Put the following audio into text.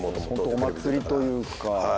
ホントお祭りというか。